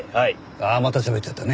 あっまたしゃべっちゃったね。